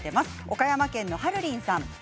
岡山県の方です。